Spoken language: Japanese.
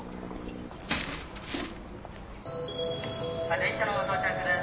「電車の到着です